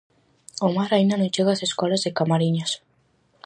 O mar aínda non chega ás escolas de Camariñas.